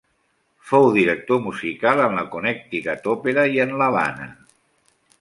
Fou director musical en la Connecticut Òpera i en l'Havana.